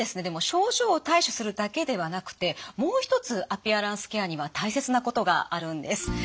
でも症状を対処するだけではなくてもう一つアピアランスケアには大切なことがあるんです。